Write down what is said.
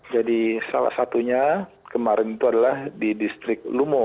jadi salah satunya kemarin itu adalah di distrik lumo